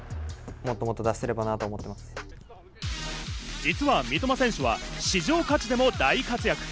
実は三笘選手は市場価値でも大活躍。